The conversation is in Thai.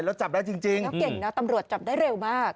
แล้วจับได้จริงแล้วเก่งนะตำรวจจับได้เร็วมาก